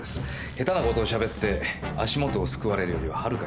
下手なことをしゃべって足元をすくわれるよりは遥かにましです。